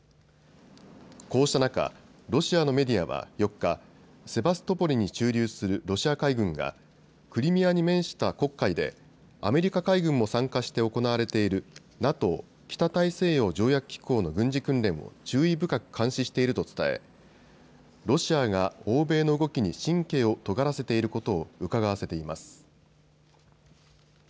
こうした中、ロシアのメディアは４日、セバストポリに駐留するロシア海軍がクリミアに面した黒海でアメリカ海軍も参加して行われているＮＡＴＯ・北大西洋条約機構の軍事訓練を注意深く監視していると伝えロシアが欧米の動きに神経をとがらせていることをうかがわせています。